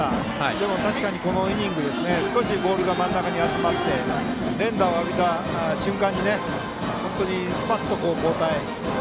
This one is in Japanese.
でも確かに、このイニング少しボールが真ん中に集まって連打を浴びた瞬間に本当に、スパッと交代。